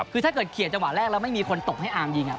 คือถ้าเกิดเขียนจำหวะแรกแล้วไม่มีคนตกให้อารมณ์ยิงอะ